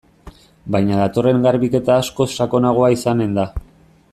Baina datorren garbiketa askoz sakonagoa izanen da.